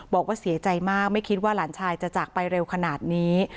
บอกว่าเสียใจมากไม่คิดว่าหลานชายจะจากไปเร็วขนาดนี้